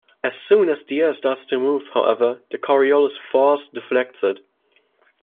As soon as the air starts to move, however, the Coriolis "force" deflects it.